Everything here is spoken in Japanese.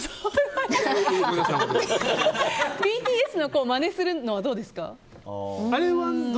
ＢＴＳのまねするのはどうですか？